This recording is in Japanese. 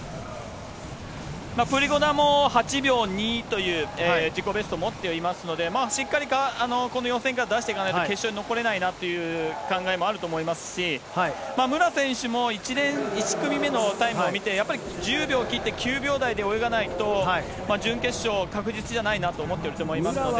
プリゴダも８秒２という自己ベストを持ってはいますので、しっかりこの予選から出していかないと決勝に残れないなという考えもあると思いますし、武良選手も１組目のタイムを見て、やっぱり１０秒切って、９秒台で泳がないと、準決勝確実じゃないなと思ってると思いますので。